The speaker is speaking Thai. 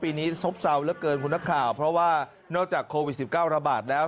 ปีนี้ซบเศร้าเหลือเกินคุณนักข่าวเพราะว่านอกจากโควิด๑๙ระบาดแล้ว